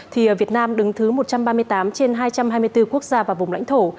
thì việt nam đứng thứ một trăm ba mươi tám trên hai trăm hai mươi bốn quốc gia và vùng lãnh thổ